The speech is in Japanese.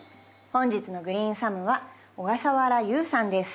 本日のグリーンサムは小笠原悠さんです。